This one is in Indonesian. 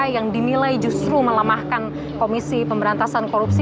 yang dinilai justru melemahkan komisi pemberantasan korupsi